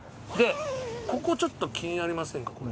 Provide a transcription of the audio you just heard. でここちょっと気になりませんか？